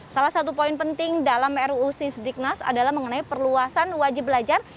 salah satu poin penting dalam ruu sisdiknas adalah mengenai perluasan wajib belajar